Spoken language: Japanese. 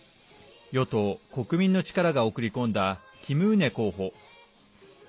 与党、国民の力が送り込んだキム・ウネ候補。